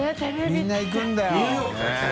みんな行くんだよ。